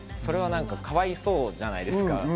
かわいそうじゃないですか。